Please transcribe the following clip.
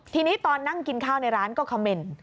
ทีนี้ตอนนั่งกินข้าวในร้านก็คอมเมนต์